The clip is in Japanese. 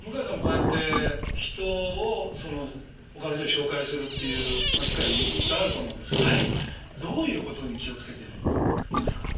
向井さんもこうやって人をそのほかの人に紹介するっていう機会いっぱいあると思うんですけどどういうことに気をつけていますか？